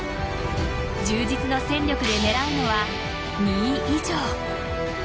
充実を戦力で狙うのは２位以上。